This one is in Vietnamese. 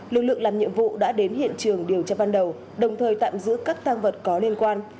lực lượng làm nhiệm vụ đã đến hiện trường điều tra ban đầu đồng thời tạm giữ các tăng vật có liên quan